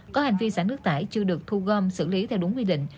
có hành vi sản nước tải chưa được thu gom xử lý theo đúng quy định